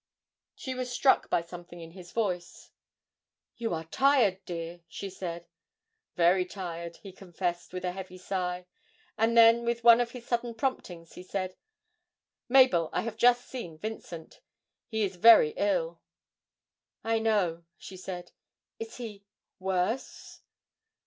She was struck by something in his voice. 'You are tired, dear,' she said. 'Very tired,' he confessed, with a heavy sigh; and then, with one of his sudden promptings, he said, 'Mabel, I have just seen Vincent he is very ill.' 'I know,' she said. 'Is he worse?'